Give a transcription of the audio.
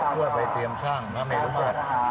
กลัวไปเตรียมสร้างพระเมฆรุมัติ